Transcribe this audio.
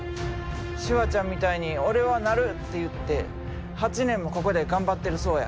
「シュワちゃんみたいにオレはなる！」って言って８年もここで頑張ってるそうや。